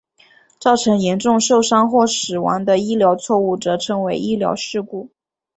造成严重受伤或死亡的医疗错误则称为医疗事故。